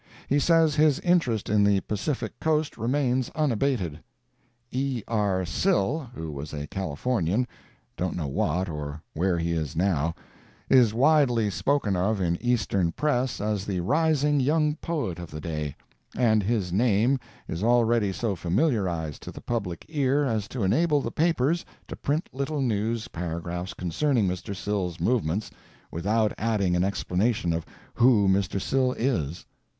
He says his interest in the Pacific Coast remains unabated. E. R. Sill, who was a Californian—don't know what or where he is now—is widely spoken of in the Eastern press as the rising young poet of the day; and his name is already so familiarized to the public ear as to enable the papers to print little news paragraphs concerning Mr. Sill's movements, without adding an explanation of who Mr. Sill is.